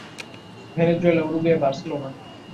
Venezuela, Uruguay, Barcelona.